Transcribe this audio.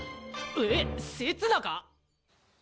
えせつなか！？